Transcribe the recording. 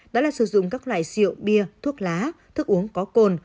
đó là sử dụng các loại rượu bia thuốc lá thức uống có cồn